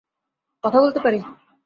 কথা বলতে পারি?